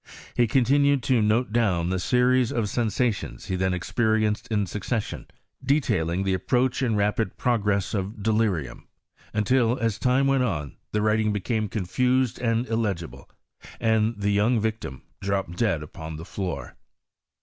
He con tinued to note down the series of sensations he then experienced in succession, detailing ihe approach. and rapid progress of delirium ; until, as time went on, the writing became confused and illegible, and the young victim dropped dead upon the floor.